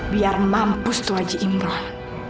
biar mampus tuh haji imron